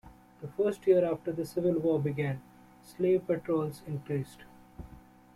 The first year after the Civil War began, slave patrols increased.